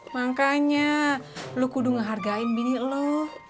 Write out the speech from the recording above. makanya lu kudu ngehargain bini lu